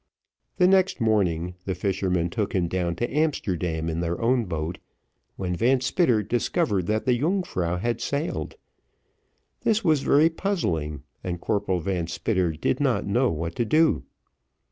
The next morning, the fishermen took him down to Amsterdam in their own boat, when Van Spitter discovered that the Yungfrau had sailed; this was very puzzling, and Corporal Van Spitter did not know what to do.